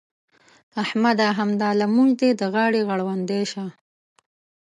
احمده! همدا لمونځ دې د غاړې غړوندی شه.